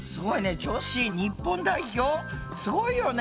女子日本代表すごいよね。